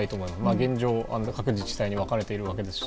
現状、各自治体に分かれているわけですし。